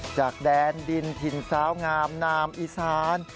จากแดนดินถิ่นสาวงามนามอีสาน